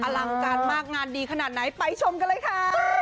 อลังการมากงานดีขนาดไหนไปชมกันเลยค่ะ